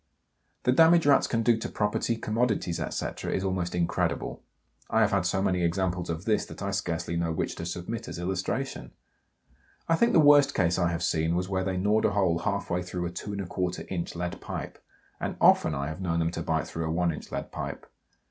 The damage Rats can do to property, commodities, etc., is almost incredible. I have had so many examples of this that I scarcely know which to submit as illustration. I think the worst case I have seen was where they gnawed a hole half way through a 2 1/4 inch lead pipe, and often I have known them to bite through a one inch lead pipe.